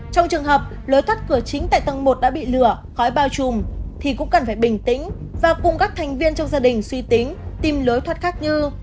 trong trường hợp lối cắt cửa chính tại tầng một đã bị lửa khói bao trùm thì cũng cần phải bình tĩnh và cùng các thành viên trong gia đình suy tính tìm lối thoát khác như